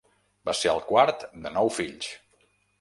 Va ser el quart de nou fills.